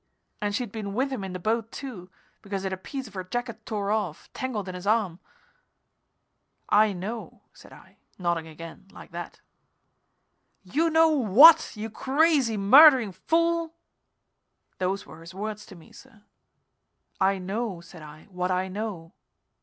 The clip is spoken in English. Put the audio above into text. _ And she'd been with him in the boat, too, because he had a piece of her jacket tore off, tangled in his arm." "I know," said I, nodding again, like that. "You know what, you crazy, murdering fool?" Those were his words to me, sir. "I know," said I, "what I know."